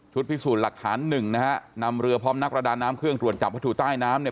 พิสูจน์หลักฐานหนึ่งนะฮะนำเรือพร้อมนักประดาน้ำเครื่องตรวจจับวัตถุใต้น้ำเนี่ย